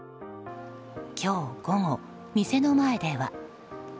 今日午後、店の前では。